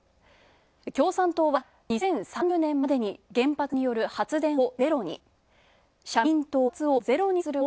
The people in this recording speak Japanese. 共産党は、２０３０年までに原発による発電をゼロに。